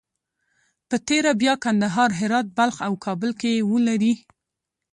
په تېره بیا کندهار، هرات، بلخ او کابل کې یې ولري.